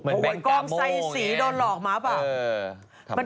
เหมือนเป็นกาโมงเนี่ยกองใส่สีโดนหลอกมาป่าว